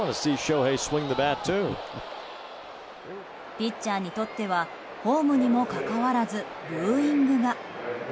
ピッチャーにとってはホームにもかかわらずブーイングが。